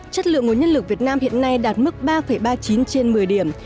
chất lượng nguồn nhân lực việt nam hiện nay đạt mức ba ba mươi chín trên một mươi điểm